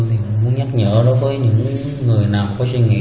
thì cũng nhắc nhở đối với những người nào có suy nghĩ